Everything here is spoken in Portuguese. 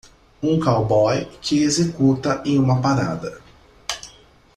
Um cowboy que executa em uma parada.